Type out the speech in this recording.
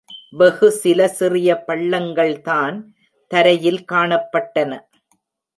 வெகுசில சிறிய பள்ளங்கள்தான் தரையில் காணப்பட்டன.